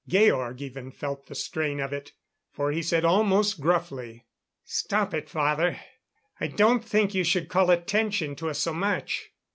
Georg even felt the strain of it, for he said almost gruffly: "Stop it, father. I don't think you should call attention to us so much.